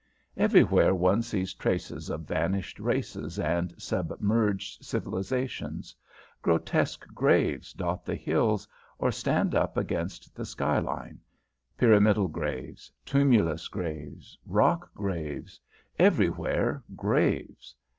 Everywhere one sees traces of vanished races and submerged civilisations. Grotesque graves dot the hills or stand up against the sky line: pyramidal graves, tumulus graves, rock graves, everywhere, graves.